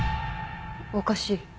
おかしい。